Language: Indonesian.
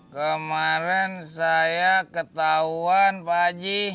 kemarin saya ketahuan pak haji